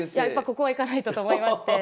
ここは行かないとと思いまして。